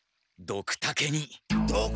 ドクタケに！？